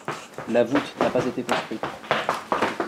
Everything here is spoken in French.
La voûte n'a pas été construite.